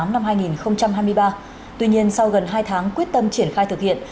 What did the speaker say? năm hai nghìn hai mươi ba tuy nhiên sau gần hai tháng quyết tâm triển khai thực hiện